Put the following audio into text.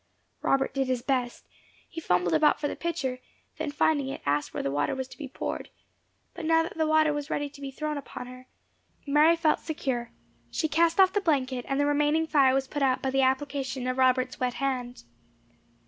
Robert did his best he fumbled about for the pitcher, then finding it, asked where the water was to be poured; but now that the water was ready to be thrown upon her, Mary felt secure; she cast off the blanket, and the remaining fire was put out by the application of Robert's wet hand.